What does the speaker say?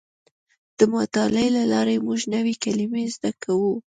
د مطالعې له لارې موږ نوې کلمې زده کوو.